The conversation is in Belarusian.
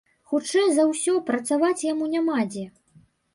Хутчэй за ўсё, працаваць яму няма дзе.